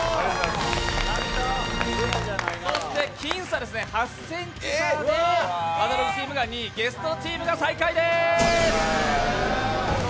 そして僅差で、「アナログ」チームが２位、ゲストチームが最下位です！